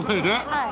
はい。